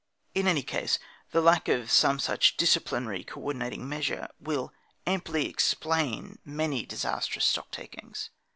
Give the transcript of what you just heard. In any case, the lack of some such disciplinary, co ordinating measure will amply explain many disastrous stocktakings.